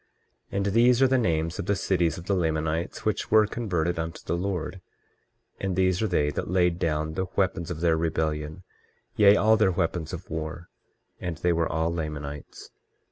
23:13 And these are the names of the cities of the Lamanites which were converted unto the Lord; and these are they that laid down the weapons of their rebellion, yea, all their weapons of war; and they were all Lamanites.